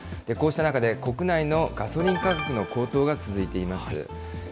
こうした中で国内のガソリン価格の高騰が続いています。